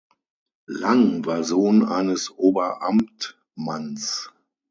Lang war Sohn eines Oberamtmanns.